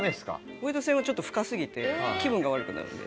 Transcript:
大江戸線はちょっと深すぎて気分が悪くなるんで。